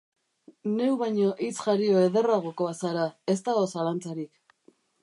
Neu baino hitz-jario ederragokoa zara, ez dago zalantzarik.